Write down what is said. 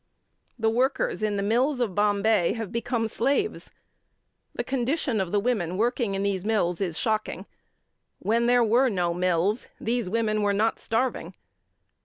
The workers in the mills of Bombay have become slaves. The condition of the women working in the mills is shocking. When there were no mills, these women were not starving.